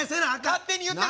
勝手に言ってる。